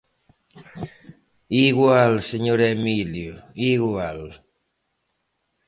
_Igual, señor Emilio, igual...